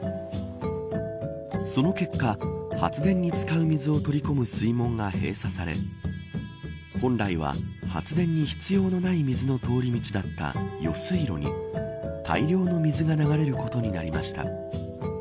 その結果発電に使う水を取り込む水門が閉鎖され本来は発電に必要のない水の通り道だった余水路に大量の水が流れることになりました。